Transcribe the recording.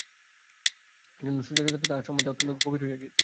এজন্য সুচরিতার সঙ্গে তাঁহার সম্বন্ধ অত্যন্ত গভীর হইয়াছিল।